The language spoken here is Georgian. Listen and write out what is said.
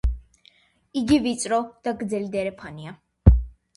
იგი ვიწრო და გრძელი დერეფანია.